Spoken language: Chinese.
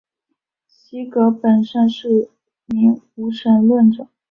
席格本身是名无神论者。